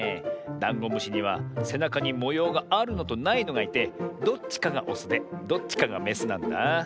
ダンゴムシにはせなかにもようがあるのとないのがいてどっちかがオスでどっちかがメスなんだ。